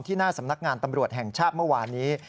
หน้าสำนักงานตำรวจแห่งชาติเมื่อวานนี้